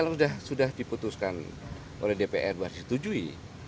karena itu tadi kalau sudah diputuskan oleh dpr bahwa disetujui